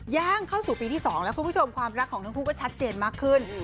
ย่างเข้าสู่ปีที่๒แล้วคุณผู้ชมความรักของทั้งคู่ก็ชัดเจนมากขึ้น